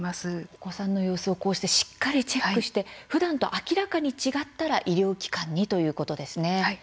お子さんの様子をこうしてしっかりチェックしてふだんと明らかに違ったら医療機関にということですね。